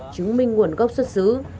chứng minh nguồn gốc xuất xứ